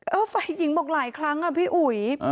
ฝ่ายหญิงบอกหลายครั้งอ่ะพี่อุ๋ย